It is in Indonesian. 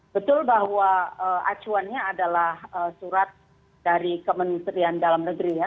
betul bahwa acuannya adalah surat dari kementerian dalam negeri ya